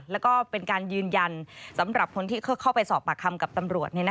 แล้วก็เป็นการยืนยันสำหรับคนที่เข้าไปสอบปากคำกับตำรวจ